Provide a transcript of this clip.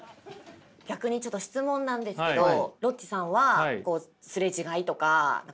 逆にちょっと質問なんですけどロッチさんはすれ違いとか違うこととか。